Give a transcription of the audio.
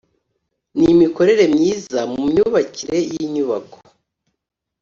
N imikorere myiza mu myubakire y inyubako